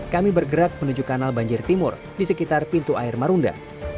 kami bergerak menuju kanal banjir timur di sekitar pintu air marunda